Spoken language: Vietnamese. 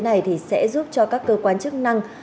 như thế này thì sẽ giúp cho các cơ quan chức năng